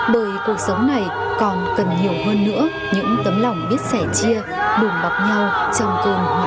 bởi cuộc sống này còn cần nhiều hơn nữa những tấm lòng biết sẻ chia đùm bọc nhau trong cơn hoạn nạn